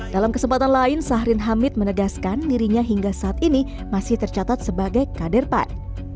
dalam kesempatan lain sahrin hamid menegaskan dirinya hingga saat ini masih tercatat sebagai kader pan